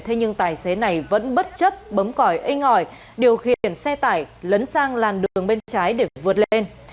thế nhưng tài xế này vẫn bất chấp bấm cõi inh ỏi điều khiển xe tải lấn sang làn đường bên trái để vượt lên